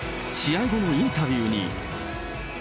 試合後のインタビューに。